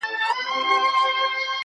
د هغه ږغ د هر چا زړه خپلوي.